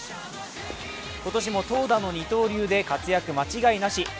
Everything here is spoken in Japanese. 今年も投打の二刀流で活躍間違いなし。